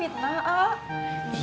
itu namanya fitnah a'a